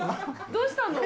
どうしたの？